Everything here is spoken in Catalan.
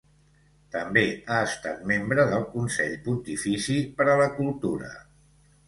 També ha estat membre del Consell Pontifici per a la Cultura.